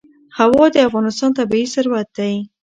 هوا د افغانستان طبعي ثروت دی.